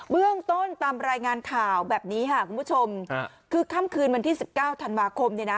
เรื่องต้นตามรายงานข่าวแบบนี้ค่ะคุณผู้ชมคือค่ำคืนวันที่สิบเก้าธันวาคมเนี่ยนะ